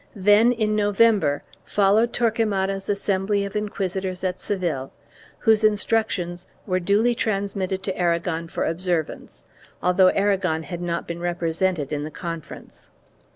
Then, in November, followed Torquemada's assembly of inquisi tors at Seville, whose instructions were duly transmitted to Aragon for observance, although Aragon had not been represented in the conference.